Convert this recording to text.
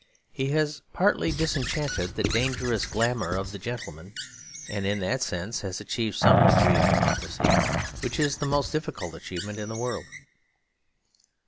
He has partly disenchanted the dangerous glamour of the gentleman, and in that sense has achieved some degree of democracy; which is the most difficult achievement in the world.